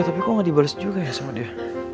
tapi kok nggak dibalas juga ya sama dia